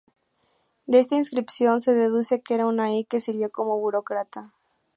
De esta inscripción se deduce que era un Ahi que sirvió como burócrata.